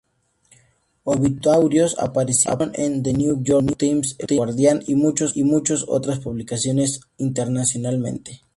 Obituarios aparecieron en "The New York Times", "El Guardián", y muchos otras publicaciones internacionalmente.